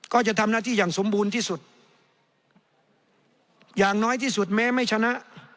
ก็จะทำหน้าที่อย่างสมบูรณ์ที่สุดอย่างน้อยที่สุดแม้ไม่ชนะ